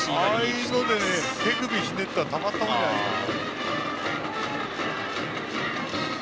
ああいうので手首ひねったらたまったもんじゃないですから。